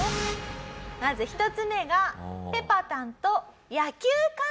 まず１つ目がぺぱたんと野球観戦。